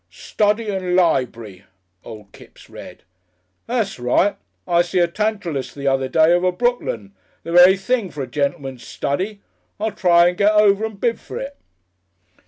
"Study and lib'ry," old Kipps read. "That's right. I see a Tantalus the other day over Brookland, the very thing for a gentleman's study. I'll try and get over and bid for it."...